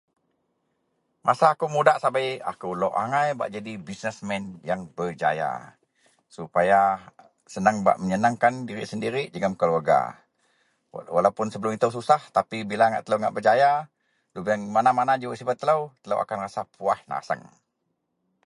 Masa aku muda sabei lok angai ba jadi business man yang berjaya supaya bak menyeneng diri sendiri jegam keluarga. Walaupun sebelum ito susah tapi bila telo berjaya lobang mana-mana ji wak sibat telo akan rasa puas nasang.